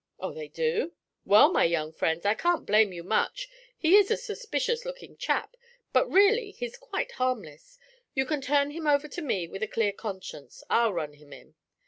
'Oh, they do? Well, my young friends, I can't blame you much; he is a suspicious looking chap, but really he's quite harmless. You can turn him over to me with a clear conscience. I'll run him in.'